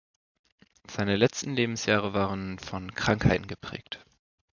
Seine letzten Lebensjahre waren von Krankheiten geprägt.